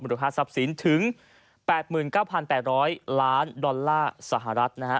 ค่าทรัพย์สินถึง๘๙๘๐๐ล้านดอลลาร์สหรัฐนะฮะ